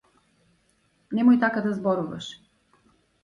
Немој така да зборуваш.